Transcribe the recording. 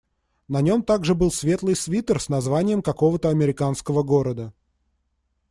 На нём также был светлый свитер с названием какого-то американского города.